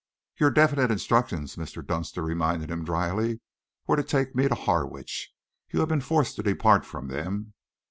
"Your definite instructions," Mr. Dunster reminded him drily, "were to take me to Harwich. You have been forced to depart from them.